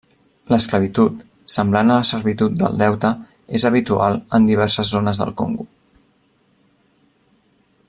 L’esclavitud, semblant a la servitud del deute, és habitual en diverses zones del Congo.